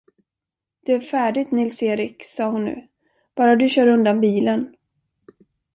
Det är färdigt, Nils Erik, sade hon nu, bara du kör undan bilen.